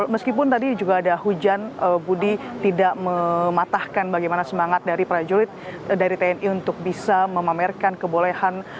meskipun tadi juga ada hujan budi tidak mematahkan bagaimana semangat dari prajurit dari tni untuk bisa memamerkan kebolehan